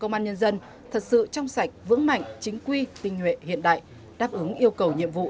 công an nhân dân thật sự trong sạch vững mạnh chính quy tinh nguyện hiện đại đáp ứng yêu cầu nhiệm vụ